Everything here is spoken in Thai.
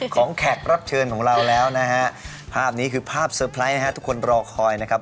แขกรับเชิญของเราแล้วนะฮะภาพนี้คือภาพเซอร์ไพรส์ฮะทุกคนรอคอยนะครับ